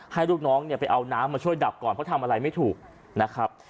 ลูกน้องเนี่ยไปเอาน้ำมาช่วยดับก่อนเพราะทำอะไรไม่ถูกนะครับ